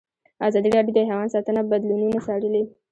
ازادي راډیو د حیوان ساتنه بدلونونه څارلي.